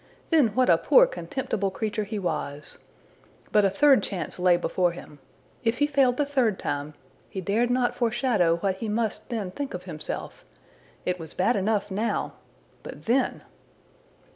Then what a poor contemptible creature he was! But a third chance lay before him. If he failed the third time, he dared not foreshadow what he must then think of himself! It was bad enough now but then!